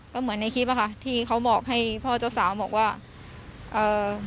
ก็เหมือนในคลิปอ่ะค่ะที่เขาบอกให้พ่อเจ้าสาวบอกว่าเอ่อ